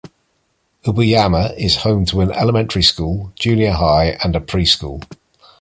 Ubuyama is home to an elementary school, junior high and a preschool.